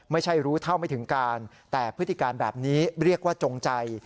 ไม่รู้เท่าไม่ถึงการแต่พฤติการแบบนี้เรียกว่าจงใจ